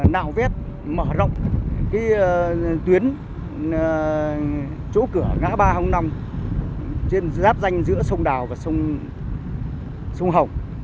nạo vép mở rộng tuyến chỗ cửa ngã ba năm trên giáp danh giữa sông đào và sông hồng